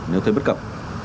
nếu thấy bất cập